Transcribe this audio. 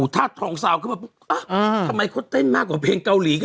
ท่าทองเซ็น